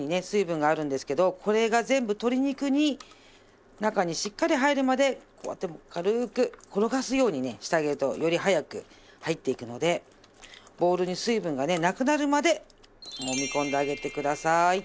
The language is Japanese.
水分があるんですけどこれが全部鶏肉に中にしっかり入るまでこうやって軽く転がすようにねしてあげるとより早く入っていくのでボウルに水分がなくなるまでもみ込んであげてください。